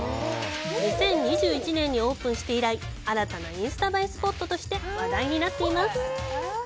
２０２１年にオープンして以来新たなインスタ映えスポットとして話題になっています。